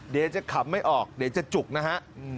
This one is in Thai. เดี๋ยวจะขำไม่ออกเดี๋ยวจะจุกนะฮะ